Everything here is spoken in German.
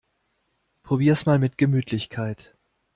Probier's mal mit Gemütlichkeit!